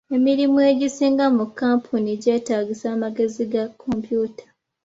Emirimu egisinga mu kkampuni gyeetaagisa amagezi ga kompyuta.